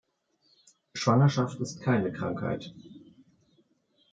Schwangerschaft ist keine Krankheit!